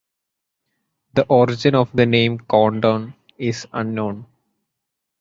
The origin of the name Condon is unknown.